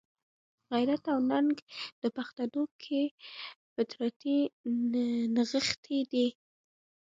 غیرت او ننګ په پښتنو کښي فطرتي نغښتی دئ.